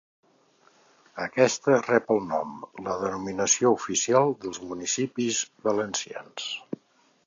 Aquesta rep el nom La denominació oficial dels municipis valencians.